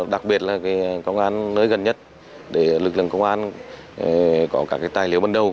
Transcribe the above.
đặc biệt là công an nơi gần nhất để lực lượng công an có các tài liệu ban đầu